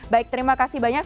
baik terima kasih banyak